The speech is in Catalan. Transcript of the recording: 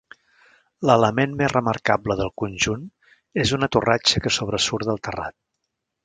L'element més remarcable del conjunt és una torratxa que sobresurt del terrat.